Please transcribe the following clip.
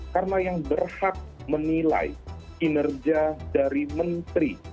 karena yang berhak menilai kinerja dari menteri